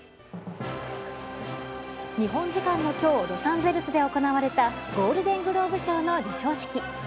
日本時間の今日ロサンゼルスで行われたゴールデングローブ賞の授賞式。